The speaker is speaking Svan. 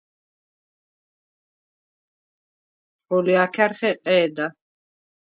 ღოლჲა̄ქარ ხეყე̄და.